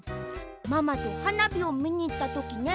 ママとはなびをみにいったときね